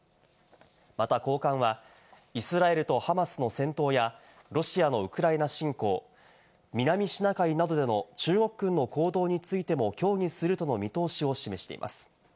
また高官は、イスラエルとハマスの戦闘や、ロシアのウクライナ侵攻、南シナ海などでの中国軍の行動についても協議するとの見通しを示しています。